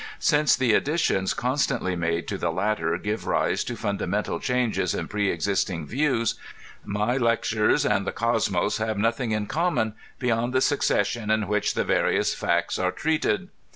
Since the addi tiota constantly made to the latter give rise to fundamental changes in pre existing views, my lectures and the Cosmos have nothing in common beyond the succession in which the various fiicts are treated.